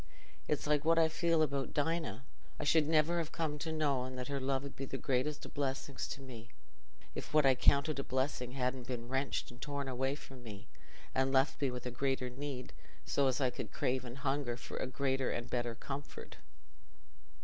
It's like what I feel about Dinah. I should never ha' come to know that her love 'ud be the greatest o' blessings to me, if what I counted a blessing hadn't been wrenched and torn away from me, and left me with a greater need, so as I could crave and hunger for a greater and a better comfort."